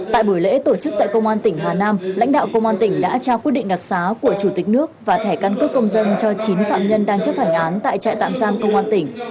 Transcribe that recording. tại buổi lễ tổ chức tại công an tỉnh hà nam lãnh đạo công an tỉnh đã trao quyết định đặc xá của chủ tịch nước và thẻ căn cước công dân cho chín phạm nhân đang chấp hành án tại trại tạm giam công an tỉnh